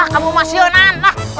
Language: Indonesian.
kamu masih onan